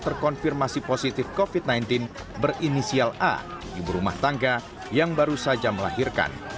terkonfirmasi positif covid sembilan belas berinisial a ibu rumah tangga yang baru saja melahirkan